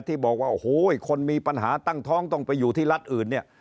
ที่บอกว่าโอ้โหคนมีปัญหาตั้งท้องต้องไปอยู่ที่รัฐอื่นเนี่ย